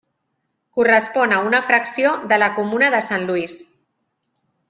Correspon a una fracció de la comuna de Saint-Louis.